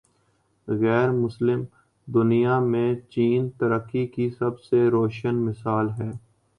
غیر مسلم دنیا میں چین ترقی کی سب سے روشن مثال ہے۔